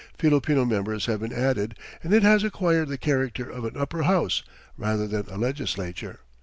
Filipino members have been added, and it has acquired the character of an upper house, rather than a legislature.